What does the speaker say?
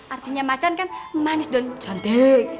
artinya macan kan manis dan cantik